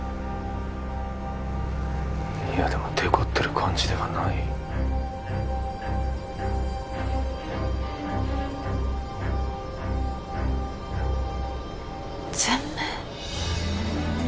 いやでもデコってる感じではない喘鳴？